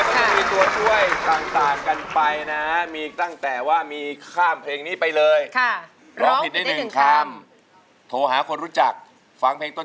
ถ้าคิดว่าไม่มีใดแม้สักเทียม๐๐๖ใช้เลย